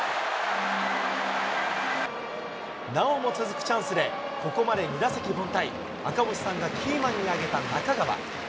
なおも続くチャンスで、ここまで２打席凡退、赤星さんがキーマンに挙げた中川。